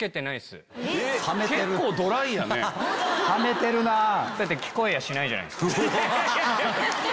冷めてるな。